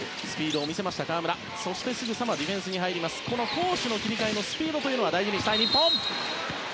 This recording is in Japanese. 攻守の切り替えのスピードを大事にしたい日本。